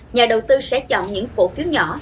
nhà đầu tư sẽ chọn những cổ phiếu nhỏ